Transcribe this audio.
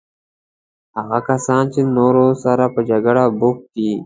هغه کسان چې د نورو سره په جګړه بوخت دي.